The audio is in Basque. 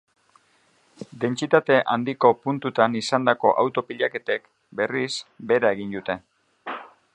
Dentsitate handiko puntutan izandako auto-pilaketek, berriz, behera egin dute.